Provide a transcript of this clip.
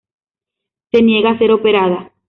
Se niega a ser operada.